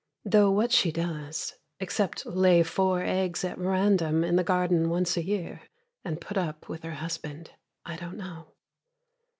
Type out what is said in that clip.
Though what she does, except lay four eggs at random in the garden once a year And put up with her husband, I don't know.